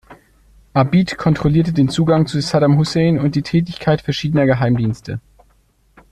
Abid kontrollierte den Zugang zu Saddam Hussein und die Tätigkeit verschiedener Geheimdienste.